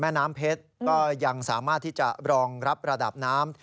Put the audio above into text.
แม่น้ำเพชรก็ยังสามารถที่จะรองรับระดับน้ำ